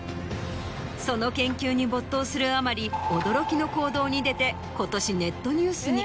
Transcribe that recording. その研究に没頭するあまり驚きの行動に出て今年ネットニュースに。